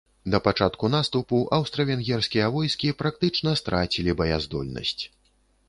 Да пачатку наступу аўстра-венгерскія войскі практычна страцілі баяздольнасць.